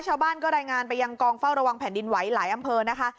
ชาวบ้านก็รายงานไปยังกองเฝ้าระวังแผ่นดินไหวหลายอำเภอนะคะ